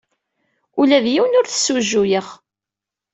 Ula d yiwen ur t-ssujjuyeɣ.